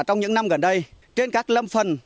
trong những năm gần đây trên các lâm phần